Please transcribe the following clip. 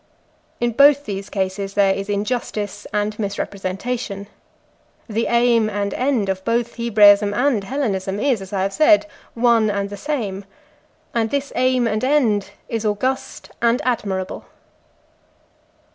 In both these cases there is injustice and misrepresentation. The aim and end of both Hebraism and Hellenism is, as I have said, one and the same, and this aim and end is august and admirable.